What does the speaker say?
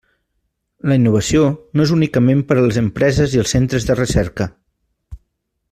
La innovació no és únicament per a les empreses i els centres de recerca.